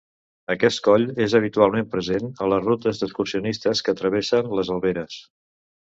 Aquest coll és habitualment present a les rutes d'excursionisme que travessen les Alberes.